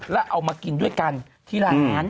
แล้วเอามากินด้วยกันที่ร้าน